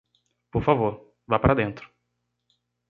Por favor, vá para dentro